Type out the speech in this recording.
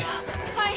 はい。